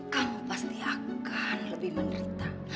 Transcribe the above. kamu pasti akan lebih menderita